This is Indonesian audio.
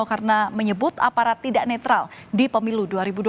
karena menyebut aparat tidak netral di pemilu dua ribu dua puluh empat